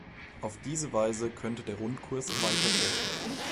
Auf diese Weise könnte der Rundkurs erweitert werden.